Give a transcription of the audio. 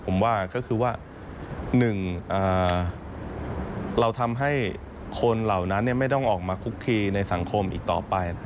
ผมว่าก็คือว่า๑เราทำให้คนเหล่านั้นไม่ต้องออกมาคุกทีในสังคมอีกต่อไป